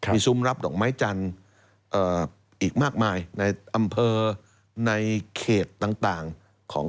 มีซุ้มรับดอกไม้จันทร์อีกมากมายในอำเภอในเขตต่างของ